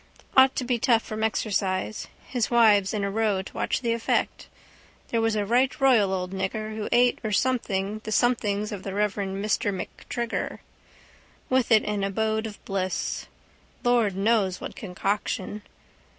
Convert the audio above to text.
Ought to be tough from exercise. His wives in a row to watch the effect. There was a right royal old nigger. Who ate or something the somethings of the reverend Mr MacTrigger. With it an abode of bliss. Lord knows what concoction.